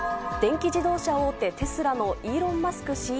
電気自動車大手、テスラのイーロン・マスク